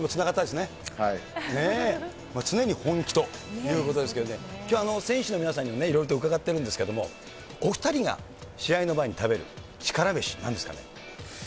常に本気ということですけれどもね、きょうは選手の皆さんにいろいろと伺ってるんですけれども、お２人が試合の前に食べる力飯、なんですかね。